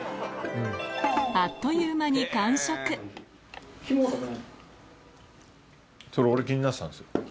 あっという間にそれ俺気になってたんですよ。